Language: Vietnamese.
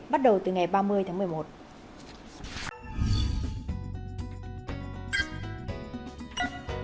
bắt đầu từ ngày ba mươi tháng một mươi một